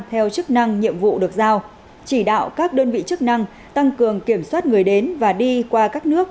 theo chức năng nhiệm vụ được giao chỉ đạo các đơn vị chức năng tăng cường kiểm soát người đến và đi qua các nước